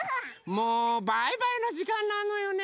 もうバイバイのじかんなのよね。